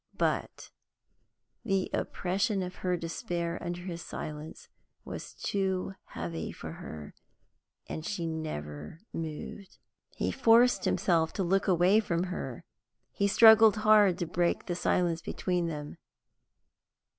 But the oppression of her despair under his silence was too heavy for her, and she never moved. He forced himself to look away from her; he struggled hard to break the silence between them.